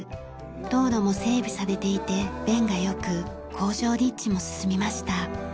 道路も整備されていて便が良く工場立地も進みました。